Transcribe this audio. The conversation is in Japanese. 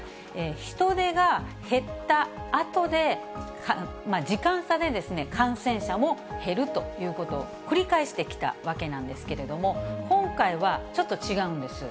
人出が減ったあとで、時間差で、感染者も減るということを繰り返してきたわけなんですけれども、今回はちょっと違うんです。